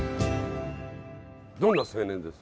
どんな青年です？